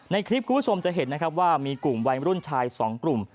ในคลิปคุณผู้ชมจะเห็นนะครับว่ามีกลุ่มวัยรุ่นชาย๒กลุ่ม